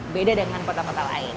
beda dengan kota kota lain